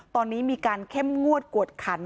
ตอนนี้มีการเข้มงวดกวดขัน